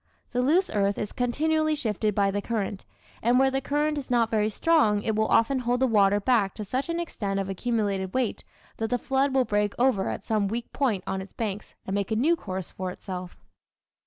The loose earth is continually shifted by the current, and where the current is not very strong it will often hold the water back to such an extent of accumulated weight that the flood will break over at some weak point on its banks and make a new course for itself.